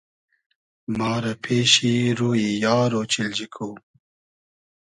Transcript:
ما رۂ پېشی روی یار اۉچیلجی کو